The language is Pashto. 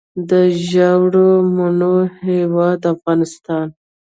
د ژیړو مڼو هیواد افغانستان.